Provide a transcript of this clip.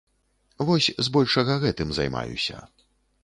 Вось збольшага гэтым займаюся.